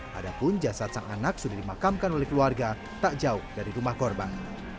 padahal jasad sang anak sudah dimakamkan oleh keluarga tak jauh dari rumah korban